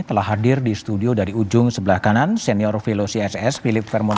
telah hadir di studio dari ujung sebelah kanan senior vilo css philip vermon